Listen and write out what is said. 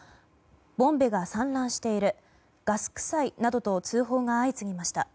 ボンベが散乱しているガスくさいなどと通報が相次ぎました。